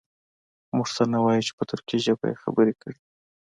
موږ ته نه وایي چې په ترکي ژبه یې خبرې کړي.